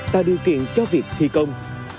tạo điều kiện cho việc thi công